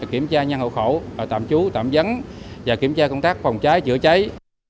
kiểm tra nhân hậu khẩu tạm trú tạm dắn và kiểm tra công tác phòng cháy chữa cháy